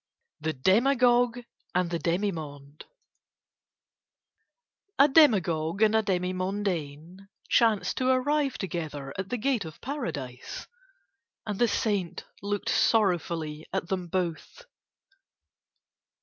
THE DEMAGOGUE AND THE DEMI MONDE A demagogue and a demi mondaine chanced to arrive together at the gate of Paradise. And the Saint looked sorrowfully at them both.